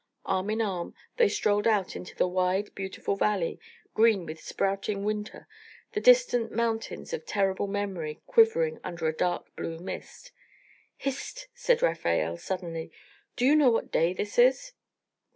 Arm in arm they strolled out into the wide beautiful valley, green with sprouting winter, the distant mountains of terrible memory quivering under a dark blue mist. "Hist!" said Rafael, suddenly. "Do you know what day this is?"